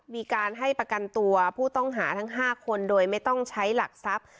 มีการให้ประกันตัวผู้ต้องหาทั้ง๕คนโดยไม่ต้องใช้หลักทรัพย์